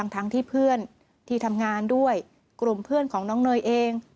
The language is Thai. ทั้งที่เพื่อนที่ทำงานด้วยกลุ่มเพื่อนของน้องเนยเอง